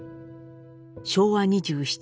昭和２７年。